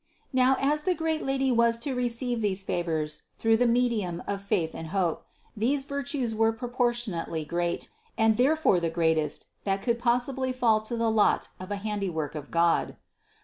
Now as the great Lady was to receive these favors through the medium of faith and hope, these virtues were proportionately great, and therefore the greatest that could possibly fall to the lot of a handiwork of God.